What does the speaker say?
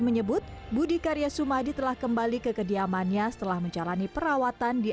menyebut budi karya sumadi telah kembali ke kediamannya setelah menjalani perawatan di